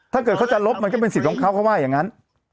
ถ้าเกิดเขาจะลบมันก็เป็นสิทธิ์ต้องเขาข้อมูลไว้อย่างนั้น